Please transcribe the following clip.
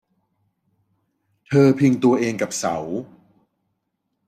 เธอพิงตัวเองกับเสา